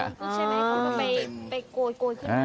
ใช่ไหมเขาก็ไปโกยขึ้นมา